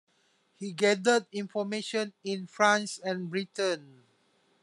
He gathered information in France and Britain.